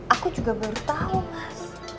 aku juga baru tahu mas